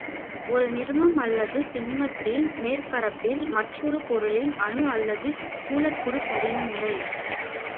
ஒரு நீர்மம் அல்லது திண்மத்தின் மேற்பரப்பில் மற்றொரு பொருளின் அணு அல்லது மூலக்கூறு படியும் முறை.